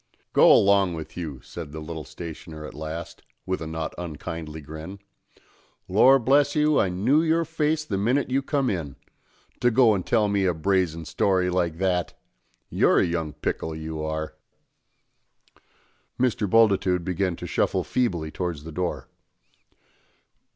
"Go along with you!" said the little stationer at last, with a not unkindly grin. "Lor bless you, I knew your face the minnit you come in. To go and tell me a brazen story like that! You're a young pickle, you are!" Mr. Bultitude began to shuffle feebly towards the door.